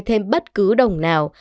thêm bất cứ đồng nào